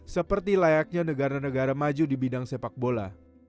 seperti layaknya negara negara maju di bidang sepak bola